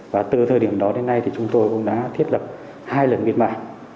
và từ thời điểm đó đến nay thì chúng tôi cũng đã thiết lập hai lần biệt mạng